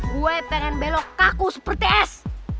gue pengen belok kaku seperti es